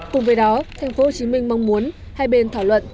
cùng với đó tp hcm mong muốn hai bên thảo luận